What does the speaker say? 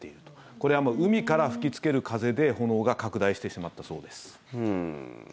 これは、海から吹きつける風で炎が拡大してしまったそうです。